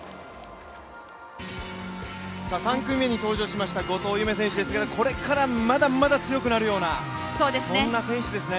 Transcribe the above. ３組目に登場しました後藤夢選手ですけどこれからまだまだ強くなるような、そんな選手ですね。